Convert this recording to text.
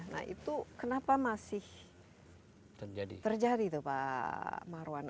nah itu kenapa masih terjadi itu pak marwan